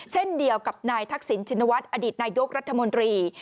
เช่นเดียวกับนายทักษิณชินวัฒน์อดีตนายกรัฐมนตรี